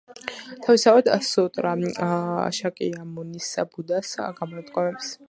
თავისთავად სუტრა შაკიამუნის ბუდას გამონათქვამებს.